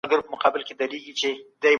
د کمیسیون کاري پلان څوک جوړوي؟